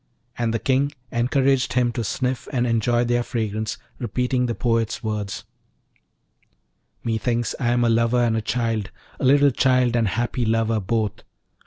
And the King encouraged him to sniff and enjoy their fragrance, repeating the poet's words: Methinks I am a lover and a child, A little child and happy lover, both!